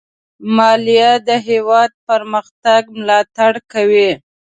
مالیه د هېواد پرمختګ ملاتړ کوي.